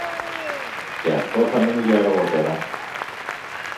Και αυτό θα μείνει για αργότερα.